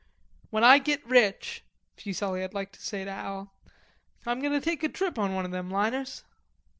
"When I git rich," Fuselli had liked to say to Al, "I'm going to take a trip on one of them liners."